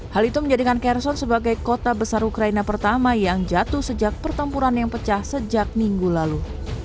hal itu menjadikan khairson sebagai kota besar ukraina pertama yang jatuh sejak pertempuran yang pecah sejak minggu lalu